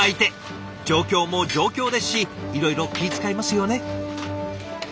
状況も状況ですしいろいろ気ぃ遣いますよね。